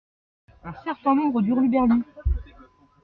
Un certains nombre d’hurluberlus.